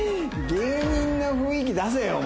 芸人の雰囲気出せよお前。